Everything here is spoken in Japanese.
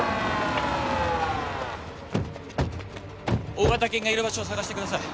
大型犬がいる場所を探してください。